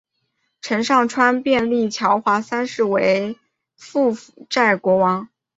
陈上川便立乔华三世为柬埔寨国王。